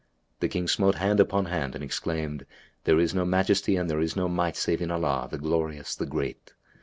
The King smote hand upon hand and exclaimed, "There is no Majesty and there is no Might save in Allah, the Glorious, the Great!